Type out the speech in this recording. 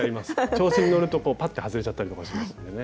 調子に乗るとパッて外れちゃったりとかしますんでね。